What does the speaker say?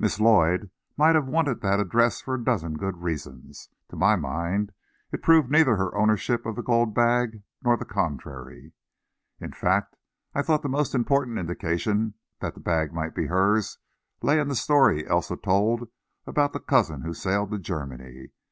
Miss Lloyd might have wanted that address for a dozen good reasons. To my mind, it proved neither her ownership of the gold bag, nor the contrary. In fact, I thought the most important indication that the bag might be hers lay in the story Elsa told about the cousin who sailed to Germany.